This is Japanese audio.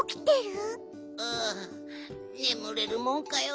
ああねむれるもんかよ。